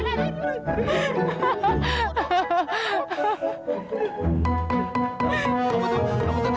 kamu tuh tinggal bangun